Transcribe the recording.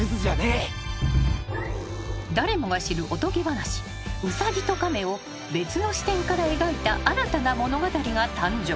おとぎ話『ウサギとカメ』を別の視点から描いた新たな物語が誕生］